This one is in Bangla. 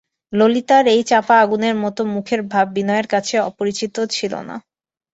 ললিতার এই চাপা আগুনের মতো মুখের ভাব বিনয়ের কাছে অপরিচিত ছিল না।